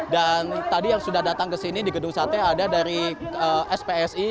dan tadi yang sudah datang ke sini di gedung sate ada dari spsi